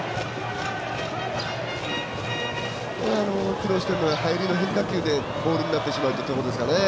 苦労してるのは入りの変化球でボールになってしまっているところですかね。